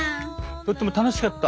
とっても楽しかった。